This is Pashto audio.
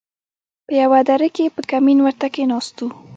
په يوه دره کښې په کمين ورته کښېناستو.